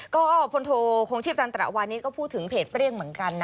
ก็พลโทคงชีพจันตระวานี้ก็พูดถึงเพจเปรี้ยงเหมือนกันนะ